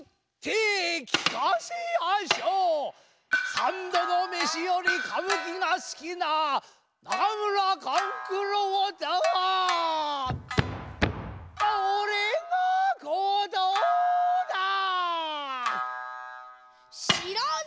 ３どのめしよりかぶきがすきな中村勘九郎たぁおれがことだぁ！